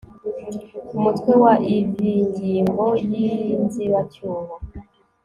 UMUTWE WA IV INGINGO Y INZIBACYUHO